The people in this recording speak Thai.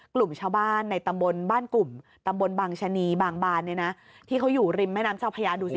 กลุ่มชาวบ้านในตำบลบ้านกลุ่มตำบลบางชะนีบางบานเนี่ยนะที่เขาอยู่ริมแม่น้ำเจ้าพญาดูสิ